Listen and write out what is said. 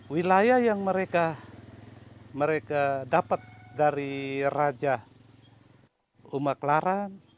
wilayah yang mereka dapat dari raja umaklaran